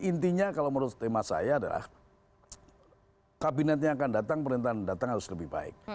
intinya kalau menurut tema saya adalah kabinetnya akan datang pemerintahan datang harus lebih baik